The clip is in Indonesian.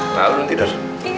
nah kamu tidur